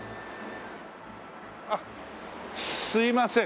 あっすいません。